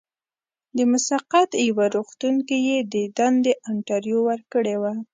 د مسقط یوه روغتون کې یې د دندې انټرویو ورکړې وه.